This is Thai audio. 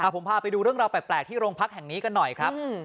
ผมพาไปดูเรื่องราวแปลกที่โรงพักแห่งนี้กันหน่อยครับ